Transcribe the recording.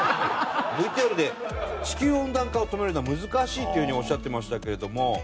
ＶＴＲで地球温暖化を止めるのは難しいっていうふうにおっしゃってましたけれども。